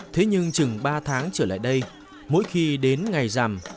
thế nhưng chừng ba tháng trở lại đây mỗi khi đến ngày rằm